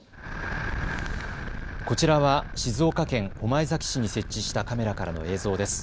こちらは静岡県御前崎市に設置したカメラからの映像です。